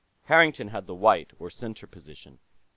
Harrington had the white, or center, position.